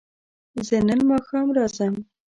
زه نن ماښام راځم